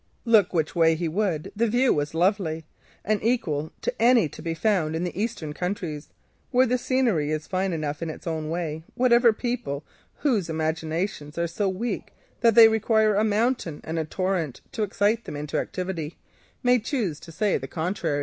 Look which way he would, the view was lovely, and equal to any to be found in the Eastern counties, where the scenery is fine enough in its own way, whatever people may choose to say to the contrary, whose imaginations are so weak that they require a mountain and a torrent to excite them into activity.